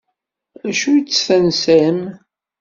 Acu-tt tansa-m?